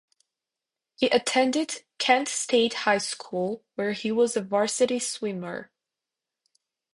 He attended Kent State High School where he was a varsity swimmer.